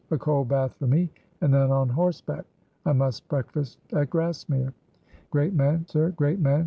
A cold bath for me and then on horseback. I must breakfast at Grassmere." "Great man, sir! great man!